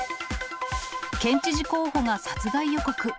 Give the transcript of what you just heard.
県知事候補が殺害予告。